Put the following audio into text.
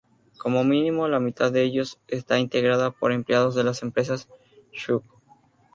Como mínimo la mitad de ellos está integrada por empleados de las empresas Schunk.